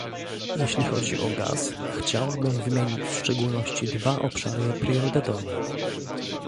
Jeśli chodzi o gaz, chciałabym wymienić w szczególności dwa obszary priorytetowe